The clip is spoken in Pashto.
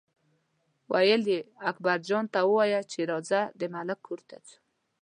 ویل یې اکبرجان ته ووایه چې راځه د ملک کور ته ځو.